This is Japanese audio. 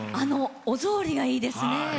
お草履がいいですね。